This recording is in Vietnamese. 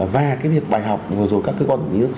và cái việc bài học vừa rồi các cơ quan đồng nghiên cứu